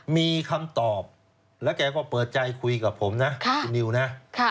มีคำตอบแล้วแกก็เปิดใจคุยกับผมนะคุณนิวนะ